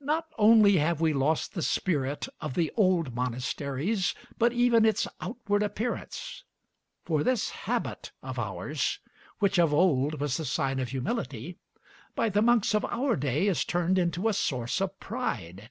Not only have we lost the spirit of the old monasteries, but even its outward appearance. For this habit of ours, which of old was the sign of humility, by the monks of our day is turned into a source of pride.